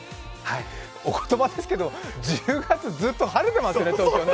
お言葉ですけど、１０月ずっと晴れてましたよね、東京。